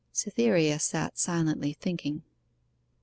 Cytherea sat silently thinking.